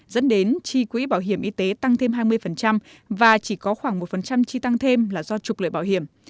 dẫn đến chi quỹ bảo hiểm y tế tăng thêm hai mươi và chỉ có khoảng một chi tăng thêm là do trục lợi bảo hiểm